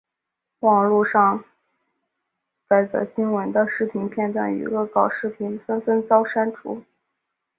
网路上该则新闻的视频片段与恶搞视频纷纷遭删除。